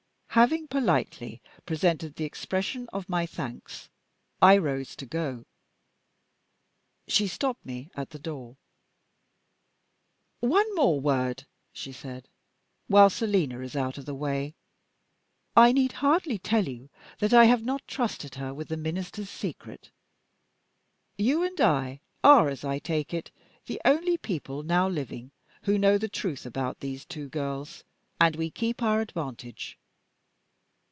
Having politely presented the expression of my thanks, I rose to go. She stopped me at the door. "One word more," she said, "while Selina is out of the way. I need hardly tell you that I have not trusted her with the Minister's secret. You and I are, as I take it, the only people now living who know the truth about these two girls. And we keep our advantage."